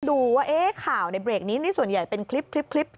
ดูว่าข่าวในเบรกนี้นี่ส่วนใหญ่เป็นคลิป